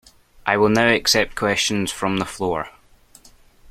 I will now accept questions from the floor.